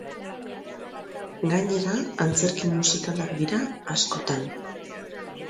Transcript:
Gainera, antzerki musikalak dira askotan.